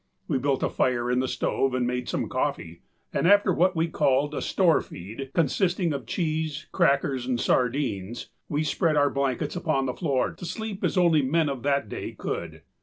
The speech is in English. We built a fire in the stove and made some coffee, and after what we called a âstore feed,â consisting of cheese, crackers, and sardines, we spread our blankets upon the floor to sleep as only men of that day could.